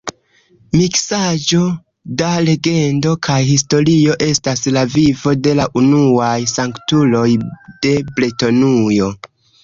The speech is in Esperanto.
Miksaĵo da legendo kaj historio estas la vivo de la unuaj sanktuloj de Bretonujo.